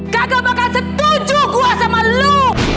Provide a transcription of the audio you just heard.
kagak bakal setuju gua sama lu